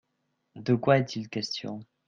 De quoi est-il question ?